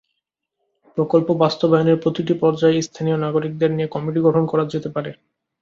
প্রকল্প বাস্তবায়নের প্রতিটি পর্যায়ে স্থানীয় নাগরিকদের নিয়ে কমিটি গঠন করা যেতে পারে।